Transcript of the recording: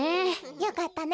よかったね